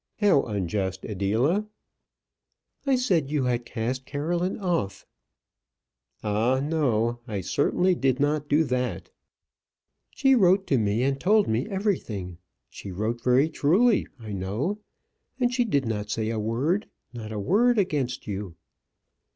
"How unjust, Adela?" "I said you had cast Caroline off." "Ah, no! I certainly did not do that." "She wrote to me, and told me everything. She wrote very truly, I know; and she did not say a word not a word against you."